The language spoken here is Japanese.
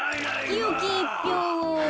きよきいっぴょうを。